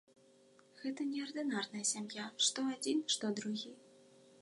Гэта неардынарная сям'я, што адзін, што другі.